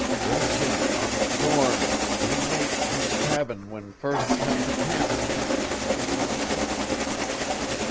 "Gregson um Thorne heem mak' thees cabin when first kam to camp," he said softly.